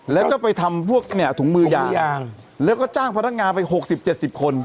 แล้วก็ไปทำพวกเนี้ยถุงมือยางถุงมือยางแล้วก็จ้างพนักงานไปหกสิบเจ็ดสิบคน